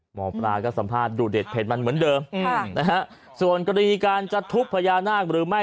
หมอนก็สัมภาษณ์มดเด็ดเดิมเหมือนเดิมส่วนกฎิการตอดทุบพญานาศหรือไม่